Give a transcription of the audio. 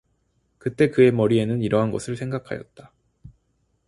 그때 그의 머리에는 이러한 것을 생각하였다.